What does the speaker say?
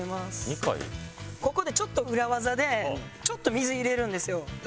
ここでちょっと裏技でちょっと水入れるんですよ。